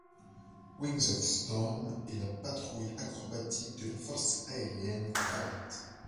Wings of Storm est la patrouille acrobatique de la force aérienne croate.